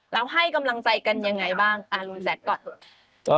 แล้วให้กำลังใจกันอย่างไรบ้างลูนแซ็คก่อน